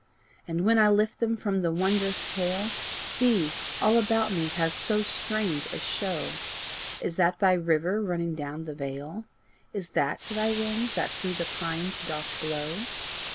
And when I lift them from the wondrous tale, See, all about me has so strange a show! Is that thy river running down the vale? Is that thy wind that through the pines doth blow?